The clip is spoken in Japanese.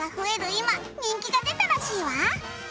今人気が出たらしいわ。